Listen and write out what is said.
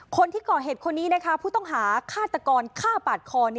คนที่ก่อเหตุคนนี้นะคะผู้ต้องหาฆาตกรฆ่าปาดคอ